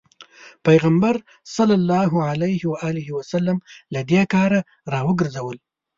پيغمبر ص له دې کاره راوګرځول.